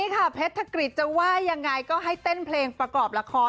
กับคนที่ใช่ยังไงก็ชอบ